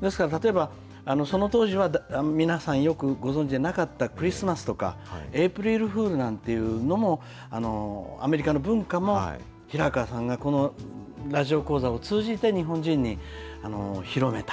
ですから例えば、その当時は皆さんよくご存じでなかったクリスマスとか、エイプリルフールなんていうのもアメリカの文化も平川さんがこのラジオ講座を通じて日本人に広めた。